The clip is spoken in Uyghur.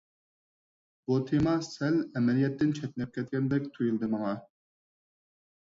بۇ تېما سەل ئەمەلىيەتتىن چەتنەپ كەتكەندەك تۇيۇلدى ماڭا.